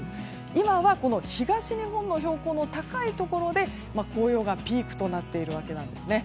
今は東日本の標高の高いところで紅葉がピークとなっているわけなんです。